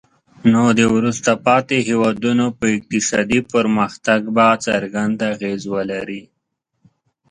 نو د وروسته پاتې هیوادونو په اقتصادي پرمختګ به څرګند اغیز ولري.